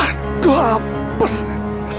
aduh apa sih